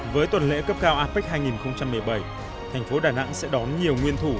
với tuần lễ cấp cao apec hai nghìn một mươi bảy thành phố đà nẵng sẽ đón nhiều nguyên thủ